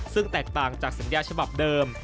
ซึ่งแตกต่างจากสัญญาฉบับเดิม